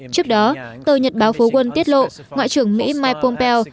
trước đó tờ nhật báo phố quân tiết lộ ngoại trưởng mỹ mike pompeo